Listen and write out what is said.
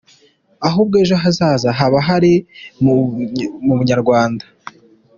Ahubwo, ejo hazaza habo hari mu bunyarwanda.